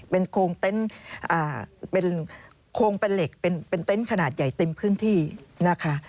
เป็นโครงเต็นต์เป็นโครงเป็นเหล็กเป็นเต็นต์ขนาดใหญ่เต็มพื้นที่นะคะ